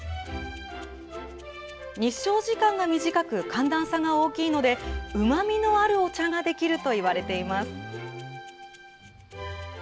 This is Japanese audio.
日照時間が短く、寒暖差が大きいので、うまみのあるお茶ができるといわれています。